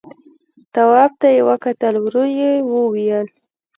تواب ته يې وکتل، ورو يې وويل: